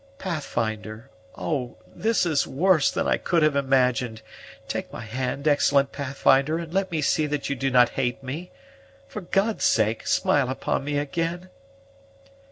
"Pathfinder! oh, this is worse than I could have imagined! Take my hand, excellent Pathfinder, and let me see that you do not hate me. For God's sake, smile upon me again."